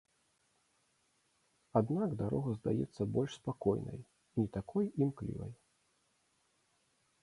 Аднак дарога здаецца больш спакойнай і не такой імклівай.